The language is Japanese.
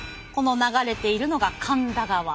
この流れているのが神田川。